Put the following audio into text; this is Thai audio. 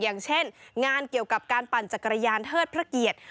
อย่างเช่นงานเกี่ยวกับการปั่นจักรยานเทิดพระเกียรติ